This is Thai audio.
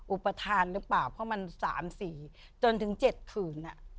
อุปทานหรือเปล่าเพราะมัน๓๔จนถึง๗คืน